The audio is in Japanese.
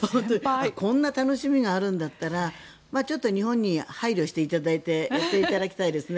こんな楽しみがあるのなら日本に配慮していただいてやっていただきたいですね。